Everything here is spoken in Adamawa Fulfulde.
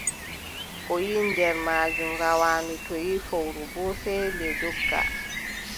A yiʼi nder maajum, rawaandu too yiʼi fowru boo, sey dogga.